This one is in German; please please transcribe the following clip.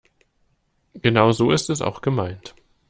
Genau so ist es auch gemeint.